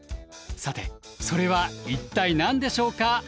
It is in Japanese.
さてそれは一体何でしょうか？